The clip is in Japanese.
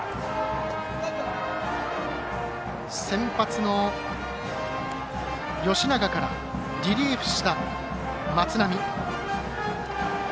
先発の吉永からリリーフした松波。